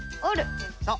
そう。